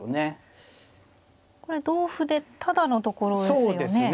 これ同歩でタダのところですよね。